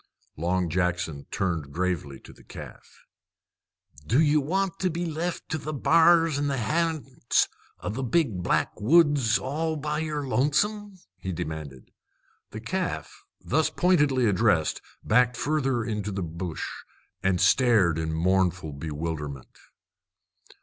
Long Jackson turned gravely to the calf. "Do ye want to be left to the b'ars and the h'a'nts, in the big black woods, all by yer lonesome?" he demanded. The calf, thus pointedly addressed, backed further into the bush and stared in mournful bewilderment.